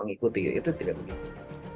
itu tidak begitu